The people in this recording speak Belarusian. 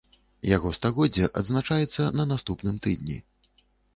Яго стагоддзе адзначаецца на наступным тыдні.